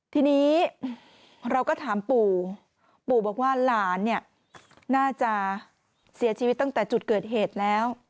ทีนี้เราก็ถามปู่ปู่บอกว่าหลานเนี่ยน่าจะเสียชีวิตตั้งแต่จุดเกิดเหตุแล้ว